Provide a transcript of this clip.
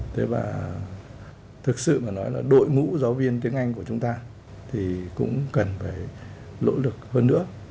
thực sự mà nói là đội ngũ giáo viên tiếng anh của chúng ta thì cũng cần phải lỗ lực hơn nữa